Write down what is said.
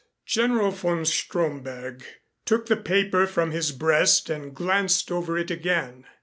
General von Stromberg took the paper from his breast and glanced over it again.